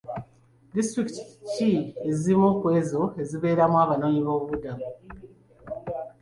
Disitulikiti ki ezimu ku ezo ezibeeramu Abanoonyiboobubudamu?